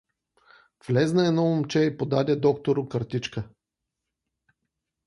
Влезна едно момче и подаде доктору картичка.